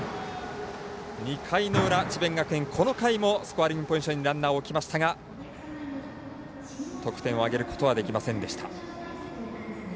２回の裏、智弁学園、この回もスコアリングポジションにランナーを置きましたが得点を挙げることはできませんでした。